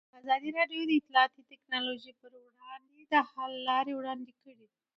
ازادي راډیو د اطلاعاتی تکنالوژي پر وړاندې د حل لارې وړاندې کړي.